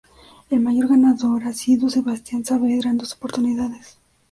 El mayor ganador ha sido Sebastián Saavedra, en dos oportunidades.